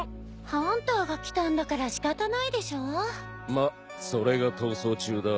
まっそれが逃走中だ。